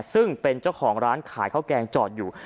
ซึ่งเป็นเจ้าของร้านขายข้าวแกงจอดอยู่